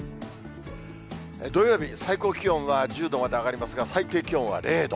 土曜日、最高気温は１０度まで上がりますが、最低気温は０度。